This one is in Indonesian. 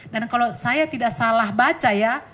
dan kalau saya tidak salah baca ya